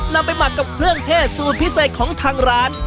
นำไปหมักกับเครื่องเทศสูตรพิเศษของทางร้าน